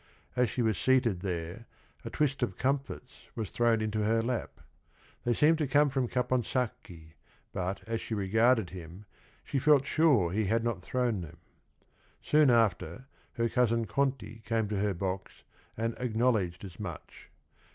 As she was seated there, a twist of comfits was thrown into her lap. They seemed to come from Caponsacchi, but, as she regarded him, she felt sure he had not thrown them. Soon after, her cousin Conti came to her box and acknowledged as much.